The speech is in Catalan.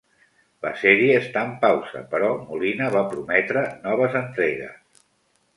La sèrie està en pausa, però Molina va prometre noves entregues.